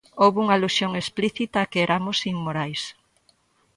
Houbo unha alusión explícita a que eramos inmorais.